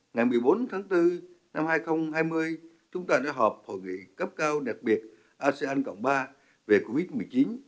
ngày một mươi bốn tháng bốn năm hai nghìn hai mươi chúng ta đã họp hội nghị cấp cao đặc biệt asean cộng ba về covid một mươi chín